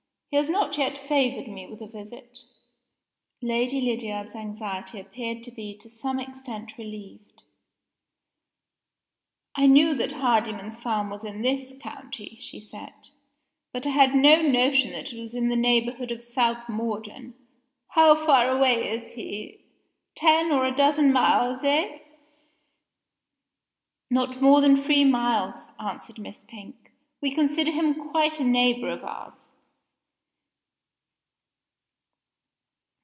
"He has not yet favored me with a visit." Lady Lydiard's anxiety appeared to be to some extent relieved. "I knew that Hardyman's farm was in this county," she said; "but I had no notion that it was in the neighborhood of South Morden. How far away is he ten or a dozen miles, eh?" "Not more than three miles," answered Miss Pink. "We consider him quite a near neighbor of ours."